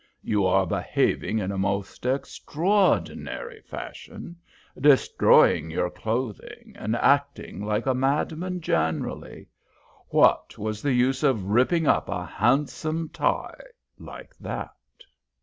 You are behaving in a most extraordinary fashion, destroying your clothing and acting like a madman generally. What was the use of ripping up a handsome tie like that?"